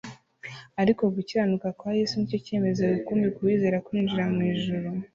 ariko gukiranuka kwa Yesu nicyo cyemezo rukumbi kuwizeza kwinjira mu ijuru.